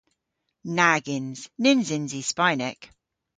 Nag yns. Nyns yns i Spaynek.